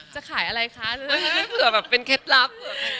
จะขายอะไรคะเผื่อแบบเป็นเคล็ดลับ